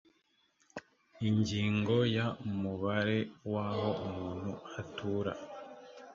ingingo ya umubare w aho umuntu atura